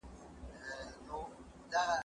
که وخت وي، سينه سپين کوم،